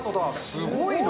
すごいな。